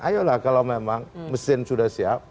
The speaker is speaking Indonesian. ayolah kalau memang mesin sudah siap